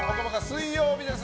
水曜日です。